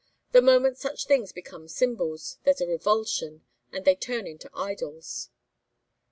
The moment such things become symbols, there's a revulsion, and they turn into idols."